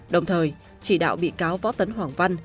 đồng thời chỉ đạo bị cáo võ tấn hoàng văn